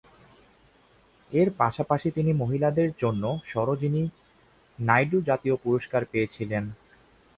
এর পাশাপাশি তিনি মহিলাদের জন্য সরোজিনী নায়ডু জাতীয় পুরস্কার পেয়েছিলেন।